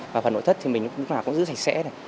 và phần nội thất thì mình cũng giữ sạch sẽ